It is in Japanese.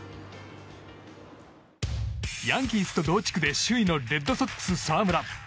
ヤンキースと同地区で首位のレッドソックス、澤村。